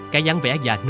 cái dáng vẽ dành